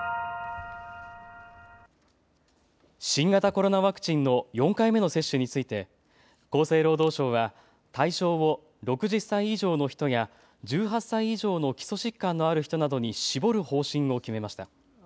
新型コロナワクチンの４回目の接種について厚生労働省は対象を６０歳以上の人や１８歳以上の基礎疾患のある人などに絞る方針を決めました。